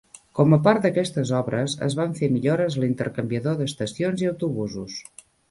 Com a part d'aquestes obres, es van fer millores a l'intercanviador d'estacions i autobusos.